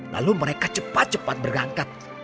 lalu mereka cepat cepat berangkat